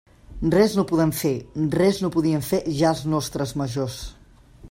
Res no podem fer, res no podien fer ja els nostres majors.